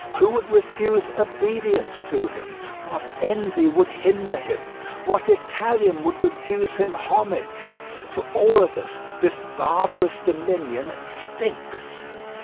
Who would refuse obedience to him? What envy would hinder him? What Italian would refuse him homage? To all of us this barbarous dominion stinks.